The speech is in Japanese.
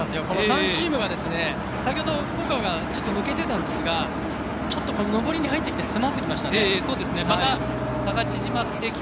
この３チームが、先ほどは福岡が抜けていたんですが上りに入ってきて詰まってきました。